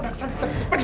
udah udah udah